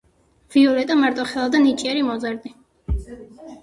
ვიოლეტა მარტოხელა და ნიჭიერი მოზარდი.